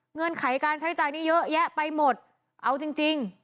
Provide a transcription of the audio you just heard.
ไขการใช้จ่ายนี้เยอะแยะไปหมดเอาจริงจริง